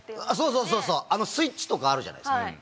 そうそうそうあのスイッチとかあるじゃないですか。